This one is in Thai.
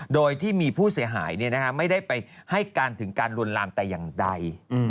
โดยที่มีผู้เสียหายไม่ได้ไปให้การถึงการลวนลามแต่อย่างใด